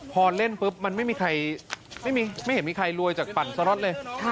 พอเล่นปุ๊บมันไม่มีใครรวยจากปั่นสล็อตเลย